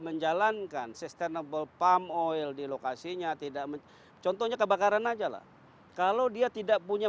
menjalankan sustainable palm oil di lokasinya tidak contohnya kebakaran aja lah kalau dia tidak punya